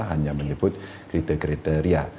hanya menyebut kriteria kriteria